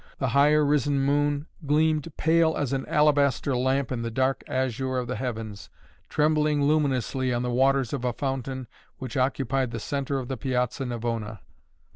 The higher risen moon gleamed pale as an alabaster lamp in the dark azure of the heavens, trembling luminously on the waters of a fountain which occupied the centre of the Piazza Navona.